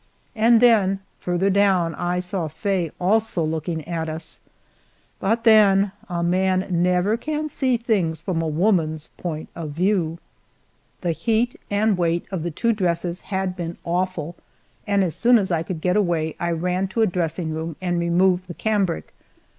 And then farther down I saw Faye also looking at us but then, a man never can see things from a woman's view point. The heat and weight of the two dresses had been awful, and as soon as I could get away, I ran to a dressing room and removed the cambric.